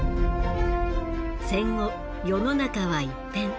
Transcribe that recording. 戦後世の中は一変。